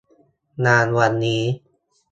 งานวันนี้